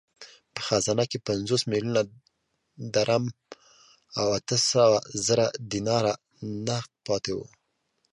په خزانه کې پنځوس میلیونه درم او اته سوه زره دیناره نغد پاته وو.